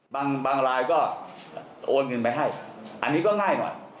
บางรายก็โอนเงินไปให้อันนี้ก็ง่ายหน่อย